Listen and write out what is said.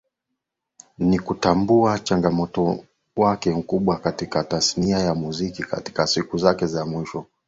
ni kutambua mchango wake mkubwa katika tasnia ya muziki Katika siku zake za mwisho